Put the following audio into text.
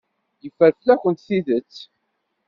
Yeffer fell-akent tidet.